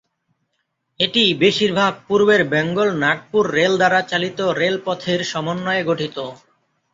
এটি বেশিরভাগ পূর্বের বেঙ্গল নাগপুর রেল দ্বারা চালিত রেলপথের সমন্বয়ে গঠিত।